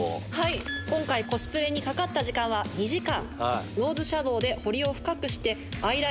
今回コスプレにかかった時間は２時間。